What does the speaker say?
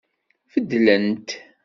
Beddlent